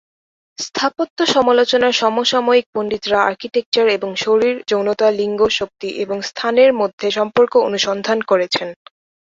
স্থাপত্য সমালোচনার সমসাময়িক পণ্ডিতরা আর্কিটেকচার এবং শরীর, যৌনতা, লিঙ্গ, শক্তি এবং স্থানের মধ্যে সম্পর্ক অনুসন্ধান করেছেন।